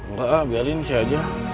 gak lah biarin sih aja